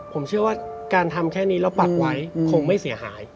ผมเชื่อว่าการทำแค่นี้แล้วปักไว้คงไม่เสียหาย